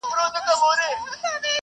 د بچو خالي ځالۍ ورته ښکاره سوه ..